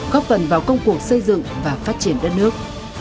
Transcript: góp phần vào công cuộc xây dựng và phát triển đất nước